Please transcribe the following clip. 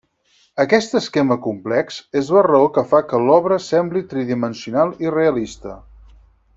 Aquest esquema complex és la raó que fa que l'obra sembli tridimensional i realista.